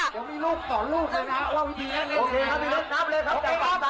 จะมีลูกของลูกเลยนะว่าวิธียังไงโอเคครับนับเลยครับจากฝั่งซ้ายมือนะ